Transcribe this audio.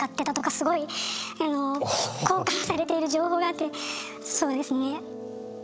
すごい交換されている情報があってそうですね。